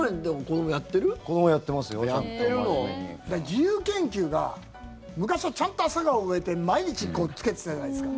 自由研究が昔はちゃんとアサガオ植えて毎日つけてたじゃないですか。